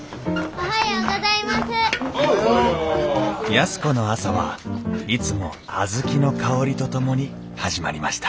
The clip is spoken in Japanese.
安子の朝はいつも小豆の香りとともに始まりました